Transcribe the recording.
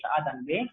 yang a dan b